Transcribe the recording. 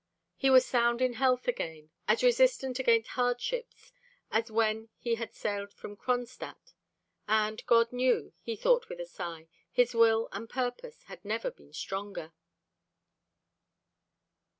He was sound in health again, as resistant against hardships as when he had sailed from Kronstadt. And God knew, he thought with a sigh, his will and purpose had never been stronger.